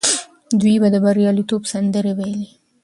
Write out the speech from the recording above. دوی به د بریالیتوب سندرې ویلې.